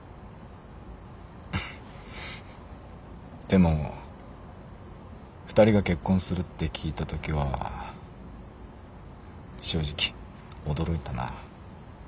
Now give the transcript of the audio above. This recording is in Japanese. でも２人が結婚するって聞いた時は正直驚いたな。